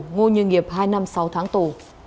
ngô như nghiệp hai năm sáu tháng tù